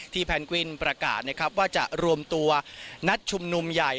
แพนกวินประกาศนะครับว่าจะรวมตัวนัดชุมนุมใหญ่